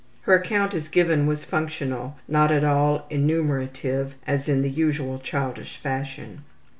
Her account as given was functional, not at all enumerative as in the usual childish fashion.